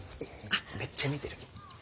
めっちゃ見てる。